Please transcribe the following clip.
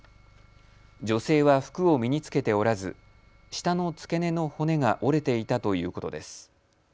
女性は服を身に着けておらず舌の付け根の骨が折れていたということです。